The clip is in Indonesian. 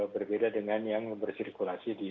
berbeda dengan yang bersirkulasi di